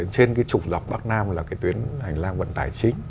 trên trục dọc bắc nam là tuyến hành lang vận tải chính